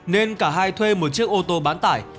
nên cả hai thuê một chiếc ô tô bán tải